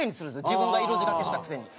自分が色仕掛けしたくせに。